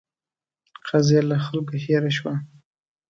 قضیه له خلکو هېره شوه.